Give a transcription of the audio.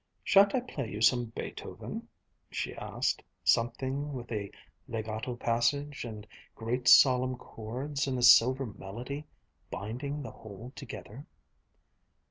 "Shan't I play you some Beethoven?" she asked, "something with a legato passage and great solemn chords, and a silver melody binding the whole together?"